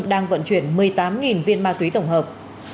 công an huyện kỳ sơn đang vận chuyển một mươi tám viên ma túy tổng hợp